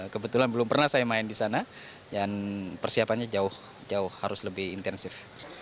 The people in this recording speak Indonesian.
kebetulan belum pernah saya main di sana dan persiapannya jauh jauh harus lebih intensif